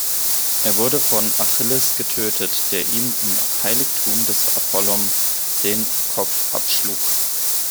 Er wurde von Achilles getötet, der ihm im Heiligtum des Apollon den Kopf abschlug.